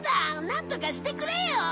なんとかしてくれよ！